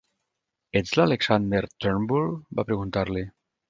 "Ets l'Alexander Turnbull?", va preguntar-li.